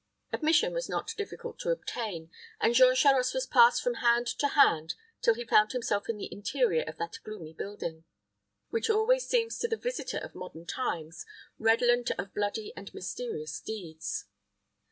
Admission was not difficult to obtain; and Jean Charost was passed from hand to hand till he found himself in the interior of that gloomy building, which always seems to the visitor of modern times redolent of bloody and mysterious deeds.